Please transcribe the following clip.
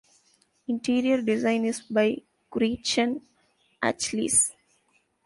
Interior design is by Gretchen Achilles.